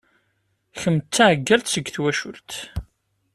Kemm d taɛeggalt seg twacult.